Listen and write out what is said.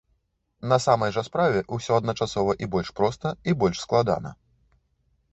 На самай жа справе ўсё адначасова і больш проста, і больш складана.